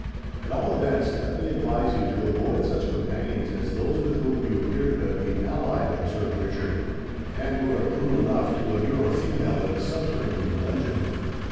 "At all events, let me advise you to avoid such companions as those with whom you appear to have been allied," observed Richard, "and who are cruel enough to immure a female in a subterranean dungeon."